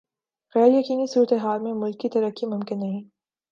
غیر یقینی صورتحال میں ملکی ترقی ممکن نہیں